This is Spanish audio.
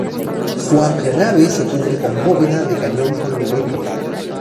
Su amplia nave se cubre con bóveda de cañón con lunetos.